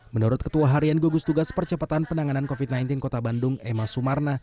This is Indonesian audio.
menurut ketua harian gugus tugas percepatan penanganan covid sembilan belas kota bandung emma sumarna